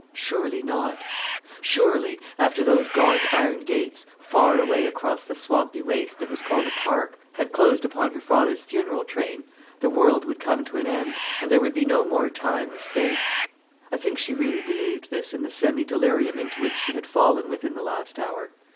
Surely not; surely, after those gaunt iron gates, far away across the swampy waste that was called a park, had closed upon her father's funeral train, the world would come to an end, and there would be no more time or space. I think she really believed this in the semi delirium into which she had fallen within the last hour.